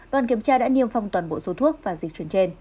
đoàn kiểm tra đã niêm phong toàn bộ số thuốc và dịch chuyển trên